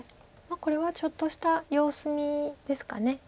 これはちょっとした様子見ですか。